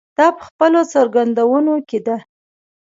دا په خپلو څرګندونو کې ده.